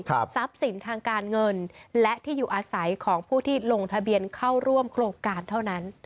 ทรัพย์สินทางการเงินและที่อยู่อาศัยของผู้ที่ลงทะเบียนเข้าร่วมโครงการเท่านั้น